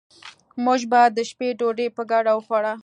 موږ به د شپې ډوډي په ګډه وخورو